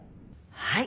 はい。